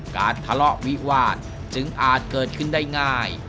การทะเลาะวิวาสจึงอาจเกิดขึ้นได้ง่าย